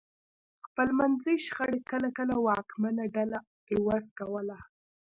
خپلمنځي شخړې کله کله واکمنه ډله عوض کوله.